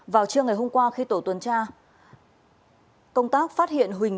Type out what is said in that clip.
vào trưa ngày hôm qua khi tổ tuần tra công tác phát hiện huỳnh